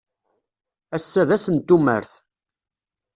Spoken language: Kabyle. Ass-a d ass n tumert.